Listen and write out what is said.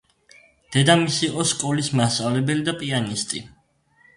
დედამისი იყო სკოლის მასწავლებელი და პიანისტი.